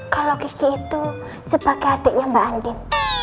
kalau kiki itu sebagai adiknya mbak andin